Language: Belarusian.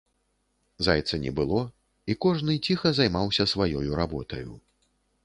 Зайца не было, і кожны ціха займаўся сваёю работаю.